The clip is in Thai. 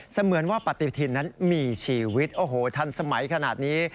เสมือนว่าปฏิทินนั้นมีชีวิตโอ้โหทันสมัยขนาดนี้